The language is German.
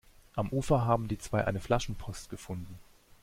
Am Ufer haben die zwei eine Flaschenpost gefunden.